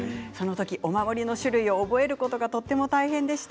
お守りの種類を覚えるのが大変でした。